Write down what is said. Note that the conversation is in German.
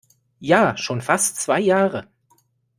Ja, schon fast zwei Jahre.